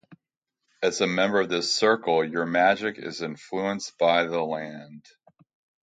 As a member of this circle, your magic is influenced by the land.